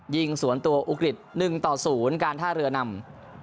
ยิงสวนตัวอุกฤษ๑ต่อ๐การท่าเรือนำ